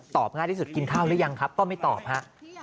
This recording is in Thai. ง่ายที่สุดกินข้าวหรือยังครับก็ไม่ตอบฮะ